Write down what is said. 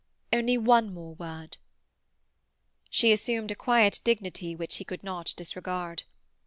"Only one more word." She assumed a quiet dignity which he could not disregard.